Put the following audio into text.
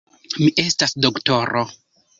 Mi estas doktoro.